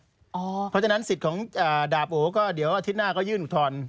เพราะฉะนั้นสิทธิ์ของดาบโอก็เดี๋ยวอาทิตย์หน้าก็ยื่นอุทธรณ์